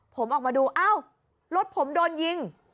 ผมออกมาดูอ้าวรถผมโดนยิง